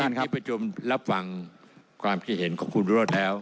ท่านประดานที่ประจงรับฟังความคิดเห็นของคุณรอดแล้ว